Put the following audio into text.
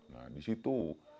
nah di situ